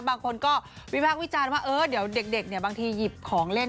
บางคนก็วิภาควิจารณ์ว่าเดี๋ยวเด็กบางทีหยิบของเล่น